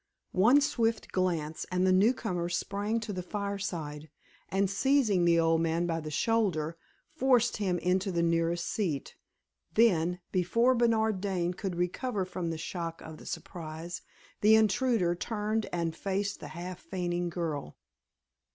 One swift glance, and the newcomer sprang to the fireside, and seizing the old man by the shoulder, forced him into the nearest seat; then, before Bernard Dane could recover from the shock of the surprise, the intruder turned and faced the half fainting girl.